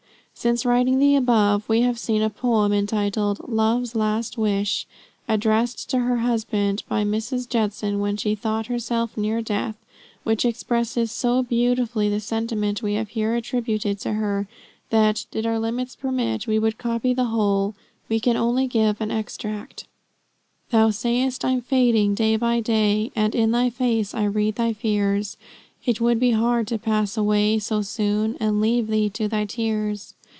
Since writing the above, we have seen a poem, entitled "Love's Last Wish," addressed to her husband, by Mrs. Judson when she thought herself near death, which expresses so beautifully the sentiment we have here attributed to her, that, did our limits permit, we would copy the whole. We can only give an extract. "Thou say'st I'm fading day by day, And in thy face I read thy fears; It would be hard to pass away So soon, and leave thee to thy tears.